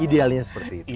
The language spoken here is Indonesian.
idealnya seperti itu